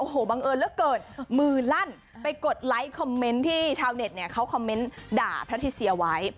โอ้โหบังเอิญเหลือเกินมือลั่นไปกดไลค์คอมเมนต์ที่ชาวเน็ตเนี่ยเขาคอมเมนต์ด่าพระทิเซียไว้